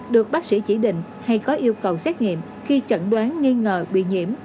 được bác sĩ chỉ định hay có yêu cầu xét nghiệm khi chẩn đoán nghi ngờ bị nhiễm